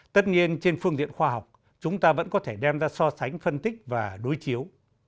tất nhiên trên phương diện khoa học chúng ta vẫn có thể đem ra so sánh phân tích và đối chiếu